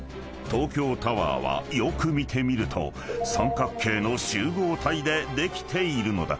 東京タワーはよく見てみると三角形の集合体でできているのだ］